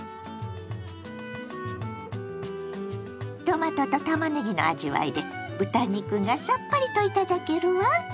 トマトとたまねぎの味わいで豚肉がさっぱりと頂けるわ。